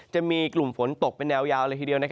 จะมีกลุ่มฝนตกเป็นแนวยาวเลยทีเดียว